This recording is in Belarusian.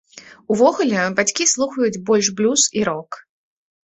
Увогуле, бацькі слухаюць больш блюз і рок.